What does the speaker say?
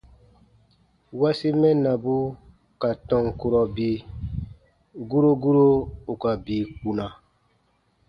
- wasi mɛnnabu ka tɔn kurɔ bii : guro guro ù ka bii kpuna.